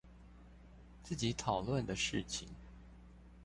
自己討論的事情